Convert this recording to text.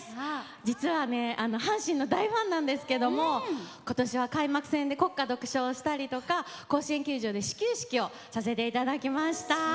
実は阪神の大ファンなんですが今年は開幕戦で国歌独唱したりとか甲子園球場で始球式をさせていただきました。